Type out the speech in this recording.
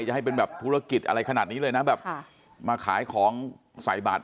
จะให้เป็นแบบธุรกิจอะไรขนาดนี้เลยนะแบบมาขายของใส่บาท